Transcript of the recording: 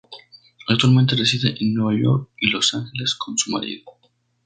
Actualmente reside en Nueva York y Los Ángeles con su marido.